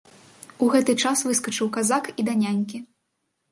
У гэты час выскачыў казак і да нянькі.